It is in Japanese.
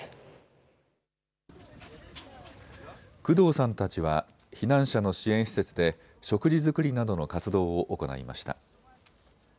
工藤さんたちは避難者の支援施設で食事作りなどの活動を行いました。